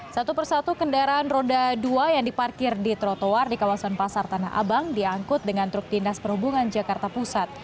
satu persatu kendaraan roda dua yang diparkir di trotoar di kawasan pasar tanah abang diangkut dengan truk dinas perhubungan jakarta pusat